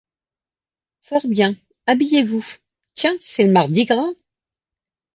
Fort bien. Habillez-vous. — Tiens, c’est le mardi gras !